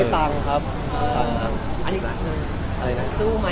ซื้อทางใหม่ให้เลย